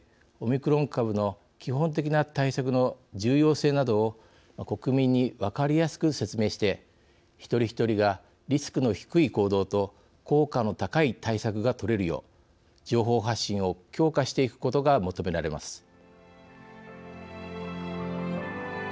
オミクロン株の基本的な対策の重要性などを国民に分かりやすく説明して一人一人がリスクの低い行動と効果の高い対策が取れるよう情報発信を強化していくことが求められます。